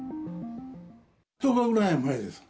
１０日ぐらい前です。